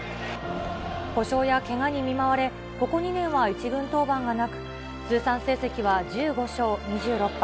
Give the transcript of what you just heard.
故障やけがに見舞われ、ここ２年は１軍登板がなく、通算成績は１５勝２６敗。